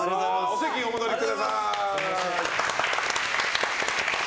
お席お戻りください。